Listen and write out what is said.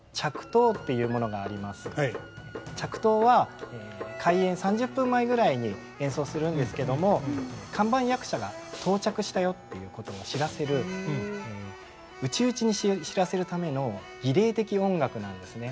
着到は開演３０分前ぐらいに演奏するんですけども「看板役者が到着したよ」っていうことを知らせる内々に知らせるための儀礼的音楽なんですね。